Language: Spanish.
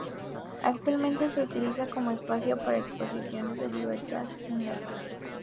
Actualmente se utiliza como espacio para exposiciones de diversa índole.